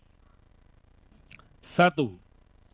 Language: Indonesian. satu jumlah suara sah pasangan calon presiden dan wakil presiden